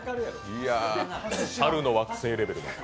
「猿の惑星」レベルの。